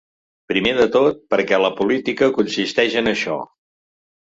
Primer de tot, perquè la política consisteix en això.